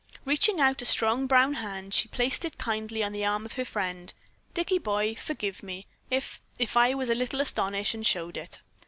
Reaching out a strong brown hand, she placed it kindly on the arm of her friend. "Dicky, boy, forgive me, if if I was a little astonished and showed it.